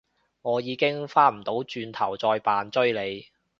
我已經返唔到轉頭再扮追你